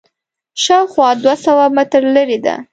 شاوخوا دوه سوه متره لرې ده.